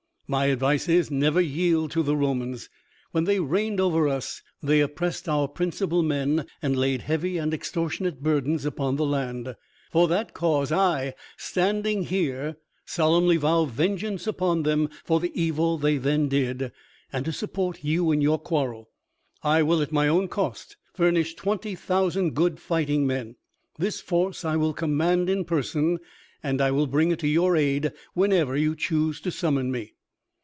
My advice is, never yield to the Romans. When they reigned over us, they oppressed our principal men, and laid heavy and extortionate burdens upon the land. For that cause I, standing here, solemnly vow vengeance upon them for the evil they then did, and, to support you in your quarrel, I will at my own cost furnish twenty thousand good fighting men. This force I will command in person, and I will bring it to your aid whenever you choose to summon me."